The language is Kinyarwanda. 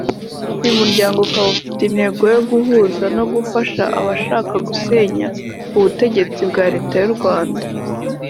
uyu muryango ukaba ufite intego yo guhuza no gufasha abashaka gusenya ubutegetsi bwa Leta y’u Rwanda